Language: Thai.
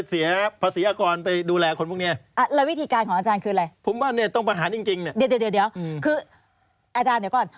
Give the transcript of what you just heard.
เดี๋ยวคืออาจารย์เดี๋ยวก่อน